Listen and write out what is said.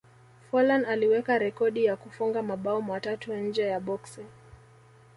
forlan aliweka rekodi ya kufunga mabao matatu nje ya boksi